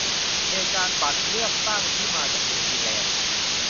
เหตุการณ์บัตรเลือกตั้งที่มาจากนิวซีแลนต์